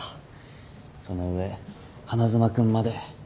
その上花妻君まで。